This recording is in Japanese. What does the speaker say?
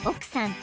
［と］